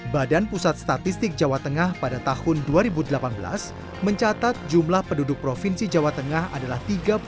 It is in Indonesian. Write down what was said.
badan pusat statistik jawa tengah pada tahun dua ribu delapan belas mencatat jumlah penduduk provinsi jawa tengah adalah